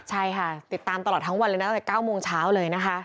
ใช่ค่ะติดตามตลอดทั้งวันเลยนะตั้งแต่๙โมงเช้าเลยนะคะ